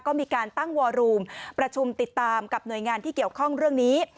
ก็มีการตั้งวอรูมประชุมติดตามกับหน่วยงานที่เกี่ยวข้องเรื่องนี้